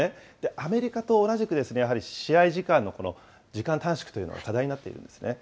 アメリカと同じくやはり試合時間の時間短縮というのは課題になっているんですね。